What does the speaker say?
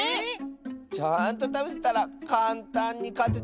ちゃんとたべてたらかんたんにかてたのにな。